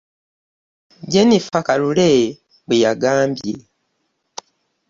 Jennifer Kalule bwe yagambye.